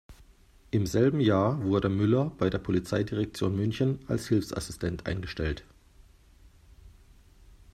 Im selben Jahr wurde Müller bei der Polizeidirektion München als Hilfsassistent eingestellt.